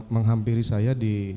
menghampiri saya di